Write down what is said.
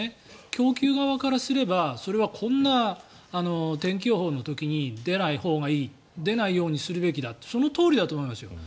供給側からすればそれはこんな天気予報の時に出ないほうがいい出ないようにするべきだってそのとおりだと思いますよ。